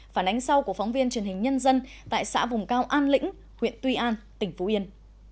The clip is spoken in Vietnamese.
phản ánh sau của phóng viên truyền hình nhân dân tại xã vùng cao an lĩnh huyện tuy an tỉnh phú yên